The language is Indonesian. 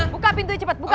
buka pintunya cepet buka